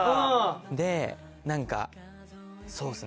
で何かそうですね。